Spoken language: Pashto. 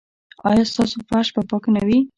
ایا ستاسو فرش به پاک نه وي؟